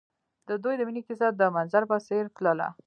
د دوی د مینې کیسه د منظر په څېر تلله.